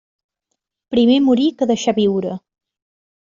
Primer morir que deixar de viure.